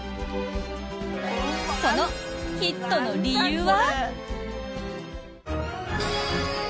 そのヒットの理由は。